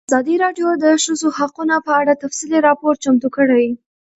ازادي راډیو د د ښځو حقونه په اړه تفصیلي راپور چمتو کړی.